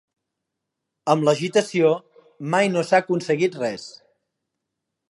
Amb l'agitació mai no s ha aconseguit res.